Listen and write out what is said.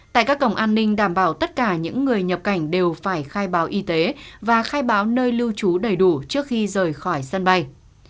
tại các cổng an ninh đảm bảo tất cả những người nhập cảnh đều phải khai báo y tế và khai báo nơi lưu trú đầy đủ trước khi rời khỏi sân bay